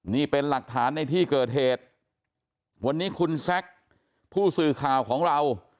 นี่เป็นหลักฐานในที่เกิดเหตุวันนี้คุณแซคผู้สื่อข่าวของเรา